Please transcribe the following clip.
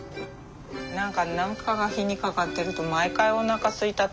何か何かが火にかかってると毎回おなかすいたって言ってしまう。